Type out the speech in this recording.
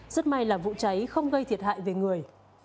rất may là vụ cháy không gây thiệt hại về người